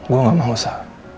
gue gak mau sa